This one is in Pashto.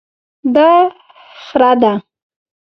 دا خره ده